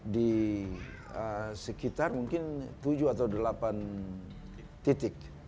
di sekitar mungkin tujuh atau delapan titik